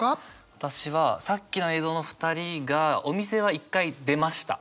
私はさっきの映像の２人がお店は一回出ました。